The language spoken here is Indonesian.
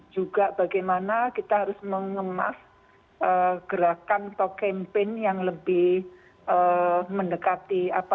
juga bagaimana kita harus mengemas gerakan atau campaign yang lebih mendekati